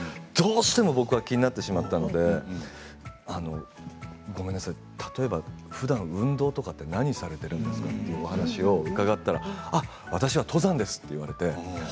どうしても僕は気になってしまったのでごめんなさい、例えばふだん運動とかって何をされているんですかというお話を伺ったら私は登山ですと言われて。